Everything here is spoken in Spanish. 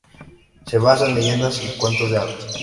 Se basa en leyendas y cuentos de hadas.